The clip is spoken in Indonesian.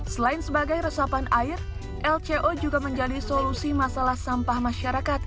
selain sebagai resapan air lco juga menjadi solusi masalah sampah masyarakat